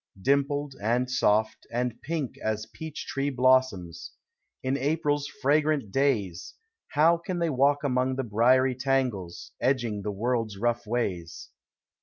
Dimpled, and soft, and pink as peach tree blos soms, In April's fragrant days, How can they walk among the briery tangles, Edging the world's rough ways?